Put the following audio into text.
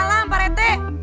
waalaikumsalam pak rt